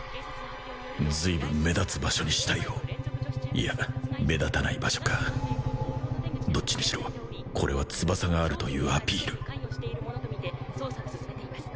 随分目立つ場所に死体をいや目立たない場所かどっちにしろこれは翼があるというアピール捜査を進めています